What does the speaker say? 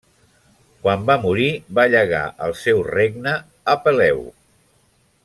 Quan va morir, va llegar el seu regne a Peleu.